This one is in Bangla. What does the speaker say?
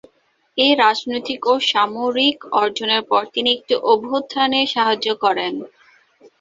এই রাজনৈতিক ও সামরিক অর্জনের পর তিনি একটি অভ্যুত্থানে সাহায্য করেন।